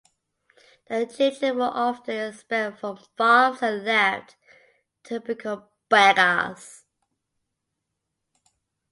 The children were often expelled from farms and left to become beggars.